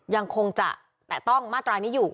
ยังคงจะแตะต้องมาตรานี้อยู่